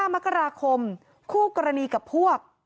มกราคมคู่กรณีกับพวก